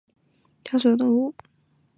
紫红鞘薹草为莎草科薹草属的植物。